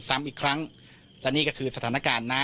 ซ้ำอีกครั้งและนี่ก็คือสถานการณ์น้ำ